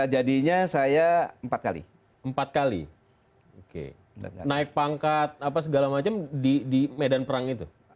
jadinya saya empat kali empat kali naik pangkat apa segala macam di medan perang itu